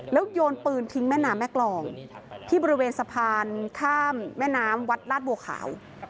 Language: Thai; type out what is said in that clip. แล้วโยนปืนทิ้งแม่น้ำแม่กรองที่บริเวณสะพานข้ามแม่น้ำวัดลาดบัวขาว